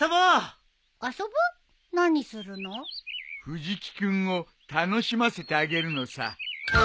藤木君を楽しませてあげるのさ。